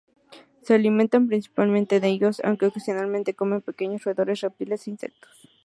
Se alimenta principalmente de higos, aunque ocasionalmente come pequeños roedores, reptiles e insectos.